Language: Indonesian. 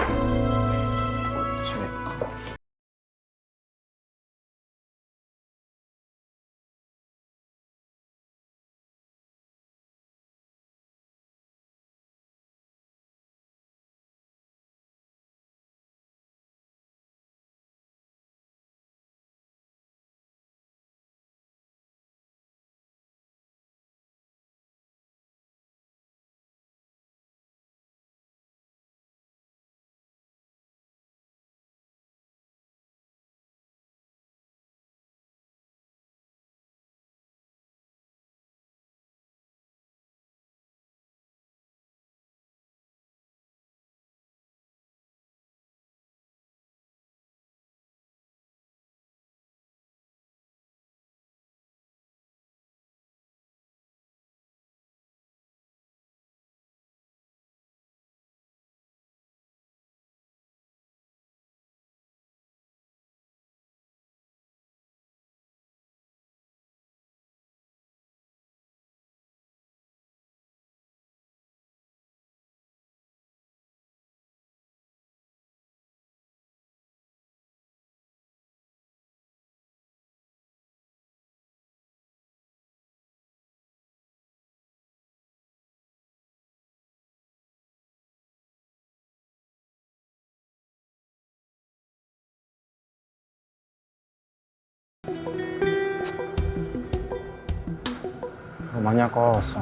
iya mas baik